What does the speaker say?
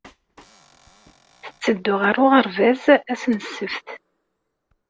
Tetteddu ɣer uɣerbaz ass n ssebt.